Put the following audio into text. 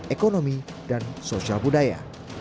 ekonomi dan sosial budaya